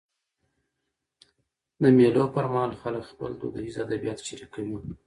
د مېلو پر مهال خلک خپل دودیز ادبیات شريکوي.